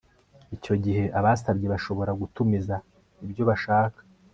icyo gihe abasabye bashobora gutumiza ibyo bashaka